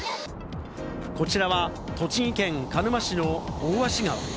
こちらは栃木県鹿沼市の大芦川。